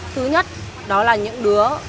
thứ nhất đó là những đứa